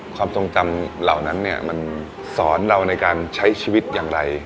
ความทรงจำเหล่านั้นเนี่ยมันสอนเราในการใช้ชีวิตอย่างไร